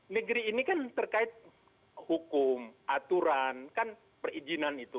negeri ini kan terkait hukum aturan kan perizinan itu